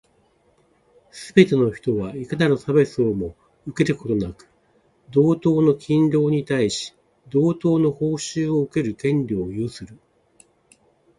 すべて人は、いかなる差別をも受けることなく、同等の勤労に対し、同等の報酬を受ける権利を有する。